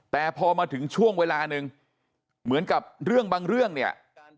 แต่พอมาถึงช่วงเวลาหนึ่งเหมือนกับเรื่องบางเรื่องเนี่ย